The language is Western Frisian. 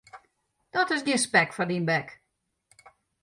Dat is gjin spek foar dyn bek.